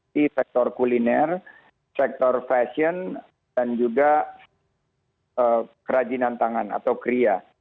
di sektor kuliner sektor fashion dan juga kerajinan tangan atau kria